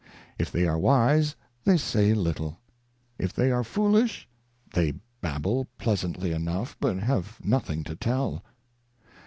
If they are wise, they say little ; if they are foolish, they babble pleasantly enough, but have nothing to tell.